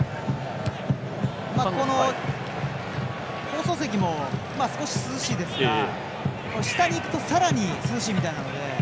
この放送席も少し涼しいですが下に行くとさらに涼しいみたいなので。